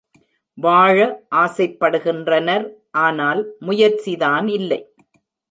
வாழ ஆசைப்படுகின்றனர் ஆனால் முயற்சிதான் இல்லை.